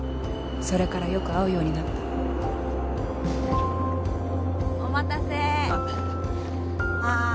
それからよく会うようになったお待たせはい